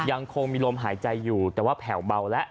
ยังคงมีลมหายใจอยู่แต่ว่าแผ่วเบาแล้ว